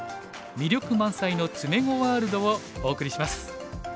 魅力満載の詰碁ワールド」をお送りします。